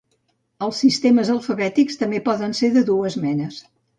Els sistemes alfabètics també poden ser de dues menes.